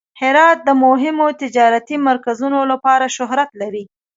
هرات د مهمو تجارتي مرکزونو لپاره شهرت لري.